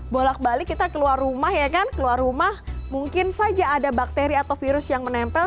bolak balik kita keluar rumah ya kan keluar rumah mungkin saja ada bakteri atau virus yang menempel